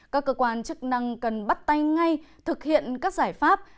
các cơ quan chức năng cần bắt tay ngay thực hiện các giải pháp